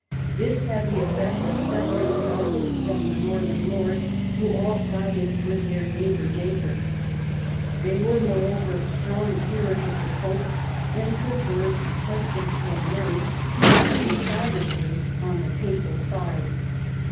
This had the effect of separating Norfolk from the northern Lords, who all sided with their neighbour Dacre. They were, moreover, strong adherents of the ELIZABETH AND MARY STUART, 117 Pope, and preferred a husband for Mary who would be decidedly on the Papal side.